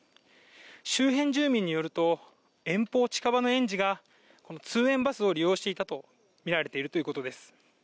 周辺住民によりますと遠方・近場の園児が通園バスを利用していたとみられているということです。